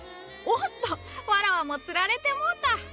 おっとわらわもつられてもうた！